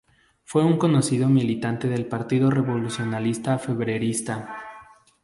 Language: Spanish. Fue un conocido militante del Partido Revolucionario Febrerista.